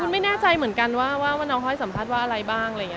คุณไม่แน่ใจเหมือนกันว่าน้องห้อยสัมภัฐว่าอะไรบ้าง